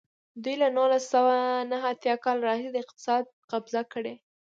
دوی له نولس سوه نهه اتیا کال راهیسې اقتصاد قبضه کړی.